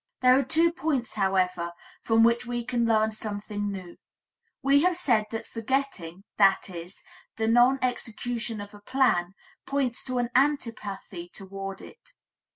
There are two points, however, from which we can learn something new. We have said that forgetting, that is, the non execution of a plan, points to an antipathy toward it.